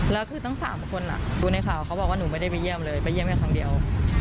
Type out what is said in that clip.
แล้วคือทั้ง๓คนดูในข่าวเขาบอกว่าหนูไม่ได้ไปเยี่ยมเลยไปเยี่ยมแค่ครั้งเดียว